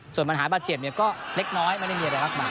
ส่วนปัญหาบาดเจ็บเนี่ยก็เล็กน้อยไม่ได้มีอะไรล่ะกว่า